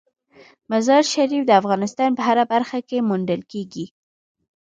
مزارشریف د افغانستان په هره برخه کې موندل کېږي.